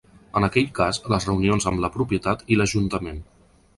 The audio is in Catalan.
En aquell cas les reunions amb la propietat i l’ajuntament.